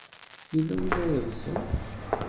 Yella win ay yeḍsan.